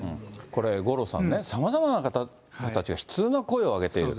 これ、五郎さんね、さまざまな方たちが、悲痛な声を上げている。